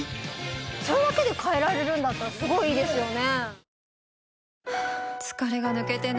それだけで変えられるんだったらすごいいいですよね